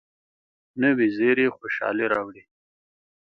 نوې زیري خوشالي راوړي